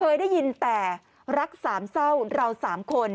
เคยได้ยินแต่รักสามเศร้าเราสามคน